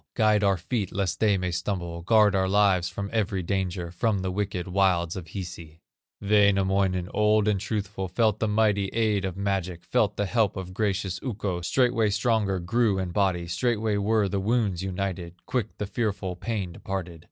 Guide our feet lest they may stumble, Guard our lives from every danger, From the wicked wilds of Hisi." Wainamoinen, old and truthful, Felt the mighty aid of magic, Felt the help of gracious Ukko, Straightway stronger grew in body, Straightway were the wounds united, Quick the fearful pain departed.